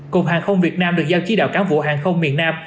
cục hàng không việt nam được giao chí đạo cán vụ hàng không miền nam